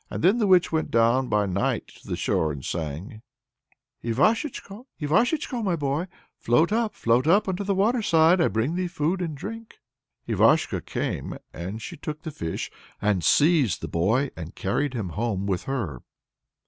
Then the witch went down by night to the shore and sang: Ivashechko, Ivashechko, my boy, Float up, float up, unto the waterside; I bring thee food and drink. Ivashko came, and she took the fish, and seized the boy and carried him home with her.